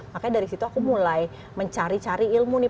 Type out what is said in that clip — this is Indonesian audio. makanya dari situ aku mulai mencari cari ilmu nih